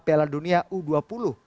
piala dunia u dua puluh